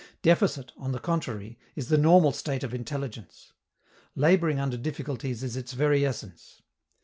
Deficit, on the contrary, is the normal state of intelligence. Laboring under difficulties is its very essence.